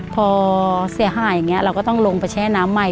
พอเสียหายอย่างนี้เราก็ต้องลงไปแช่น้ำใหม่